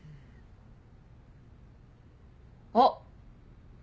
あっ！